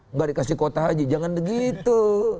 nggak dikasih kota aja jangan begitu